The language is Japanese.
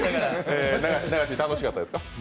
永椎、楽しかったですか？